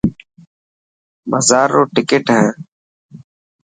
مزار رو ٽڪٽ هي.